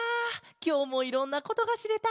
きょうもいろんなことがしれた。